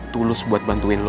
tulus buat bantuin lo